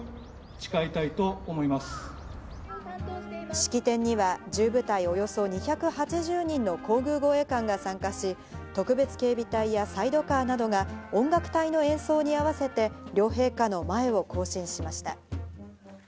式典には１０部隊およそ２８０人の皇宮護衛官が参加し、特別警備隊やサイドカーなどが音楽隊の演奏に合わせて両陛下の前を行進しました。